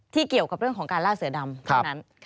เกี่ยวกับเรื่องของการล่าเสือดำเท่านั้น